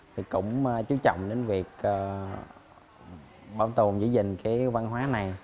thì cũng chú trọng đến việc bảo tồn giữ gìn cái văn hóa này